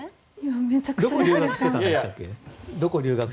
どこに留学してたんでしたっけ。